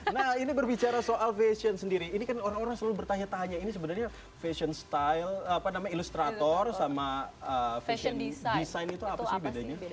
nah ini berbicara soal fashion sendiri ini kan orang orang selalu bertanya tanya ini sebenarnya fashion style apa namanya ilustrator sama fashion design itu apa sih bedanya